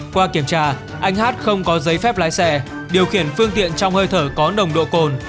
qua kiểm tra anh hát không có giấy phép lái xe điều khiển phương tiện trong hơi thở có nồng độ cồn